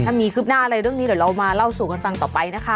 ถ้ามีคืบหน้าอะไรเรื่องนี้เดี๋ยวเรามาเล่าสู่กันฟังต่อไปนะคะ